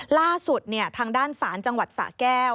ล่าสุดทางด้านศาลจังหวัดสะแก้ว